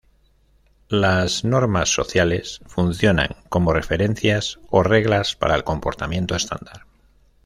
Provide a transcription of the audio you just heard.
Las normas sociales funcionan como referencias o reglas para el comportamiento estándar.